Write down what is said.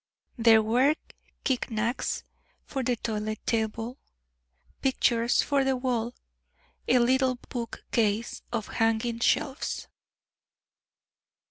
There were knickknacks for the toilet table, pictures for the wall, a little book case of hanging shelves.